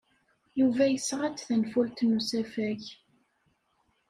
Yuba yesɣa-d tanfult n usafag.